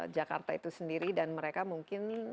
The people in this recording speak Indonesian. jakarta itu sendiri dan mereka mungkin